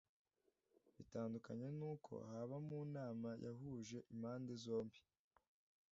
bitandukanye n'uko haba mu nama yahuje impande zombi